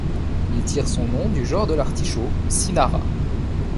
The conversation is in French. Il tire son nom du genre de l'artichaut, Cynara.